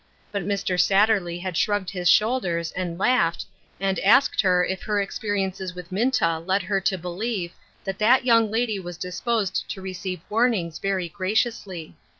But Mr. Satterley had shrugged his shoulders, and laughed, and asked her if her experiences with Minta led her to believe that that young lady was disposed to receive warnings very graciously.